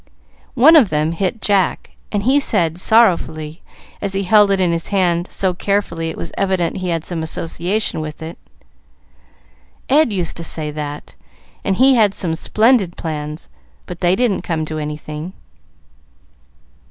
One of them hit Jack, and he said, sorrowfully, as he held it in his hand so carefully it was evident he had some association with it, "Ed used to say that, and he had some splendid plans, but they didn't come to anything."